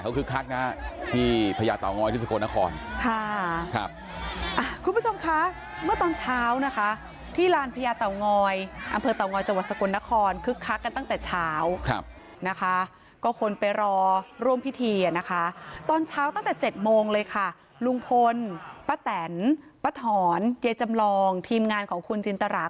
วันนี้บรรยากาศเค้าคึกคลักนะครับ